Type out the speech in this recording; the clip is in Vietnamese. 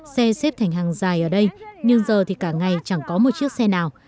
xe xếp thành hàng dài ở đây nhưng giờ thì cả ngày chẳng có một chiếc xe nào